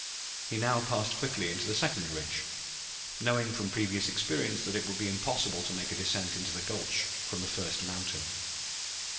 He now passed quickly to the second ridge, knowing from previous experience that it would be impossible to make a descent into the gulch from the first mountain.